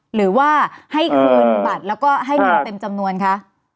หรือว่าให้คืนบัตรแล้วก็ให้เงินเต็มจำนวนคะ